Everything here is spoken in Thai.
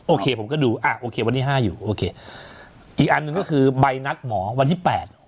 โอเคผมก็ดูอ่ะโอเควันที่ห้าอยู่โอเคอีกอันหนึ่งก็คือใบนัดหมอวันที่แปด